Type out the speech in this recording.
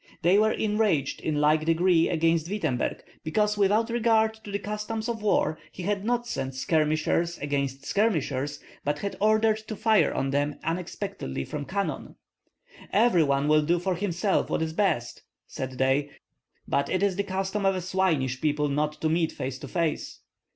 They were enraged in like degree against Wittemberg, because without regard to the customs of war he had not sent skirmishers against skirmishers, but had ordered to fire on them unexpectedly from cannon. "Every one will do for himself what is best," said they; "but it is the custom of a swinish people not to meet face to face."